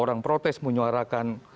orang protes menyuarakan